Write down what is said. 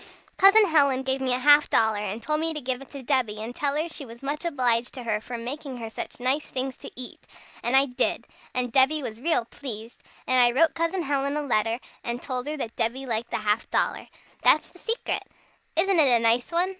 "Cousin Helen gave me a half dollar, and told me to give it to Debby, and tell her she was much obliged to her for making her such nice things to eat. And I did. And Debby was real pleased. And I wrote Cousin Helen a letter, and told her that Debby liked the half dollar. That's the secret! Isn't it a nice one?